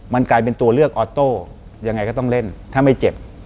มันกลายเป็นตัวเลือกออโต้ยังไงก็ต้องเล่นถ้าไม่เจ็บ